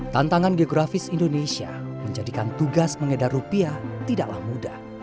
tantangan geografis indonesia menjadikan tugas mengedar rupiah tidaklah mudah